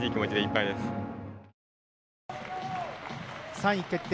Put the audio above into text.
３位決定